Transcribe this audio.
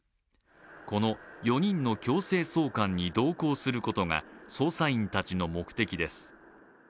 この４人の強制送還に同行することが捜査員たちの目的です。